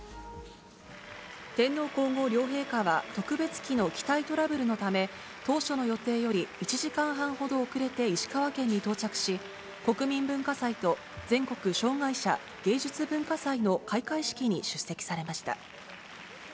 天皇皇后両陛下は、特別機の機体トラブルのため、当初の予定より１時間半ほど遅れて石川県に到着し、国民文化祭と全国障害者芸術・文化祭の開会式に出席されました。